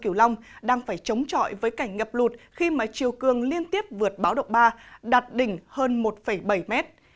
và các tỉnh đồng bằng sông kiều long đang phải chống trọi với cảnh ngập lụt khi mà chiều cương liên tiếp vượt báo độc ba đặt đỉnh hơn một bảy mét